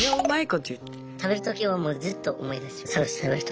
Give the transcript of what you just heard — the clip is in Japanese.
食べる時はもうずっと思い出します